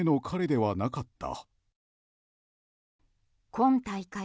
今大会